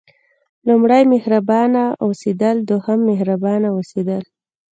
لومړی مهربانه اوسېدل دوهم مهربانه اوسېدل.